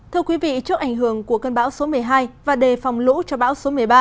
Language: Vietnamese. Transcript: thưa quý vị trước ảnh hưởng của cơn bão số một mươi hai và đề phòng lũ cho bão số một mươi ba